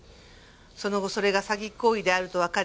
その後それが詐欺行為であるとわかり。